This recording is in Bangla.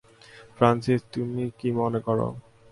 ফ্রানসিস, তুমি কি মনে করো?